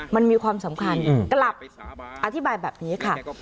มันมีความสำคัญกลับอธิบายแบบนี้ค่ะ